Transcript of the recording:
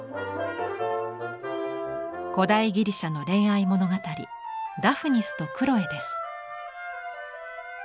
古代ギリシャの恋愛物語「ダフニスとクロエ」です。